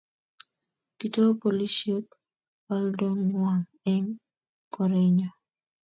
kiitou polisiek oldong'wany eng' korenyo